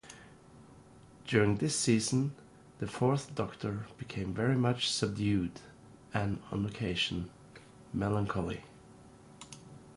During this season the Fourth Doctor became very much subdued and, on occasion, melancholy.